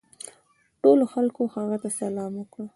ټولو خلکو هغه ته سلام وکړ.